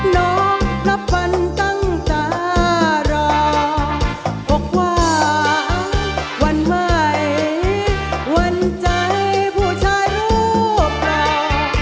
น้องนับทำต่ำตารอพบว่าวันใหม่วันใจผู้ชายรูปเรา